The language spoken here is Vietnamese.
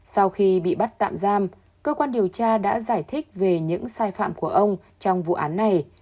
sau khi bị bắt tạm giam cơ quan điều tra đã giải thích về những sai phạm của ông trong vụ án này